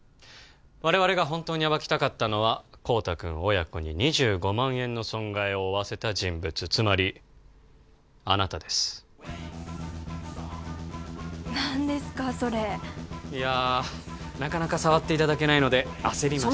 我々が本当に暴きたかったのは孝多君親子に２５万円の損害を負わせた人物つまりあなたです何ですかそれいやなかなか触っていただけないので焦りました